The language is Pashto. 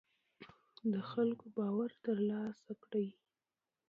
د خلکو باور تر لاسه کړئ